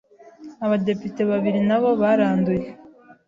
abadepite babiri nabo baranduye